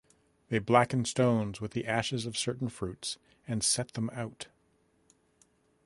They blacken stones with the ashes of certain fruits and set them out.